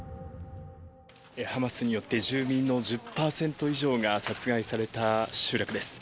ハマスによって住民の１０％以上が殺害された集落です。